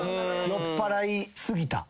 酔っぱらいすぎた。